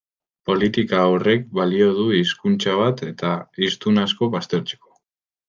Politika horrek balio du hizkuntza bat eta hiztun asko baztertzeko.